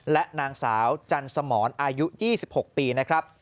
และนางสาวจันสมรอายุ๒๖ปีนะครับ